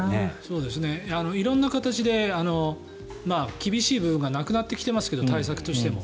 色んな形で厳しい部分がなくなってきてますけど対策としても。